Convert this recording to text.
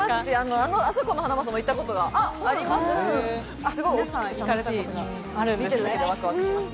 あそこのハナマサも行ったことあります。